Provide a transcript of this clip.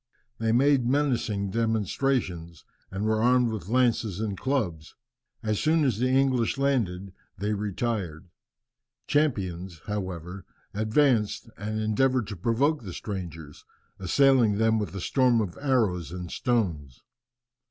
They made menacing demonstrations, and were armed with lances and clubs. As soon as the English landed they retired. Champions, however, advanced, and endeavoured to provoke the strangers, assailing them with a storm of arrows and stones.